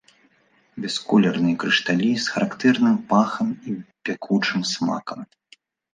Бясколерныя крышталі з характэрным пахам і пякучым смакам.